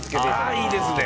いいですね。